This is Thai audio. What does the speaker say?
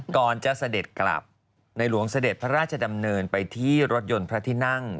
ก่อนจะเสด็จกลับในหลวงเสด็จพระราชดำเนินไปที่รถยนต์พระที่นั่ง